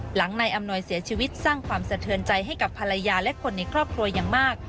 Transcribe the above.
นายอำนวยเสียชีวิตสร้างความสะเทือนใจให้กับภรรยาและคนในครอบครัวอย่างมาก